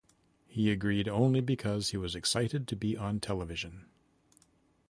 He agreed only because he was excited to be on television.